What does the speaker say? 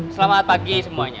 selamat pagi semuanya